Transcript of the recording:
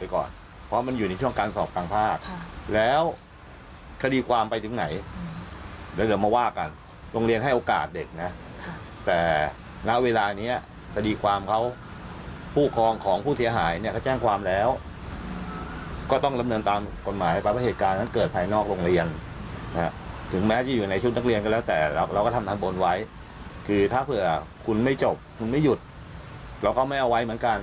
คือถ้าเผื่อคุณไม่จบคุณไม่หยุดเราก็ไม่เอาไว้เหมือนกัน